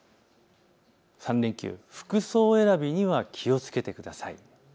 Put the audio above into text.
３連休、服装選びには気をつけてください。